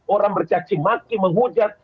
orang bercacimaki menghujat